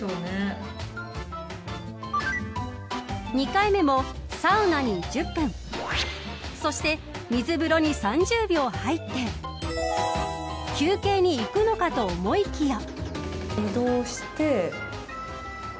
２回目もサウナに１０分そして水風呂に３０秒入って休憩に行くのかと思いきや。